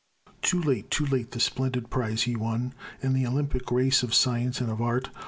Too late, too late the splendid prize he won In the Olympic race of Science and of Art!